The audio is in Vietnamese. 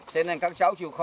thế nên các cháu chịu khó